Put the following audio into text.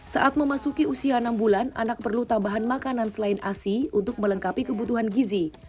saat memasuki usia enam bulan anak perlu tambahan makanan selain asi untuk melengkapi kebutuhan gizi